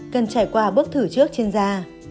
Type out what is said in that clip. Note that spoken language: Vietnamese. cần trải qua bước thử trước trên da